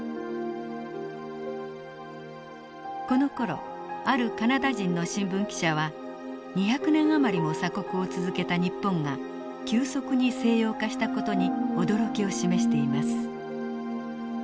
このころあるカナダ人の新聞記者は２００年余りも鎖国を続けた日本が急速に西洋化した事に驚きを示しています。